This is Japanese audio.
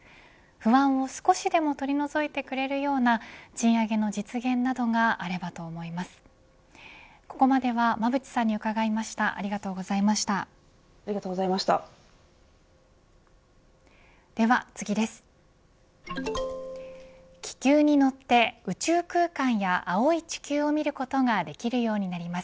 不安を少しでも取り除いてくれるような賃上げの実現などがあればと思います。